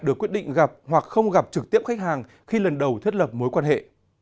được quyết định gặp hoặc không gặp trực tiếp khách hàng khi lần đầu thiết lập mối quan hệ